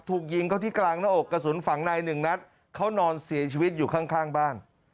ถูกยิงเขาที่กลางหน้าอกกระสุนฝังในหนึ่งนัดเขานอนเสียชีวิตอยู่ข้างข้างบ้าน